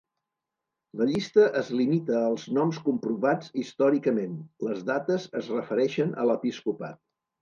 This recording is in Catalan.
La llista es limita als noms comprovats històricament, les dates es refereixen a l'episcopat.